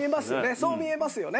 そう見えますよね。